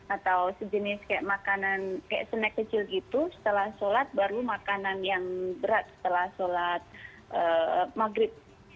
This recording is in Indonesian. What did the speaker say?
atau sejenis kayak makanan kayak snack kecil gitu setelah sholat baru makanan yang berat setelah sholat maghrib